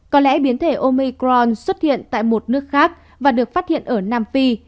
có lẽ biến thể omicron xuất hiện tại một nước khác và được phát hiện ở nam phi